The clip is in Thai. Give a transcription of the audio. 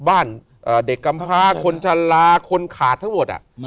บ้านเด็กกำพาคนชะลาคนขาดทั้งหมด